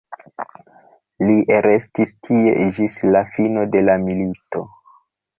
Li restis tie ĝis la fino de la milito.